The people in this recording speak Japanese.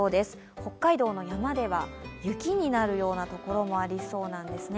北海道の山では雪になる所もありそうなんですね。